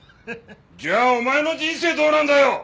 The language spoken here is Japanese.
じゃあお前の人生どうなんだよ！？